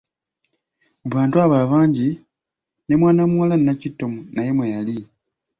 Mu bantu abo abangi ne mwana muwala Nnakitto naye mwe yali.